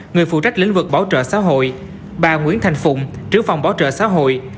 người phụ trách lĩnh vực bảo trợ xã hội bà nguyễn thành phụng trưởng phòng bảo trợ xã hội